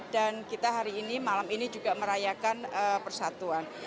dan kita hari ini malam ini juga merayakan persatuan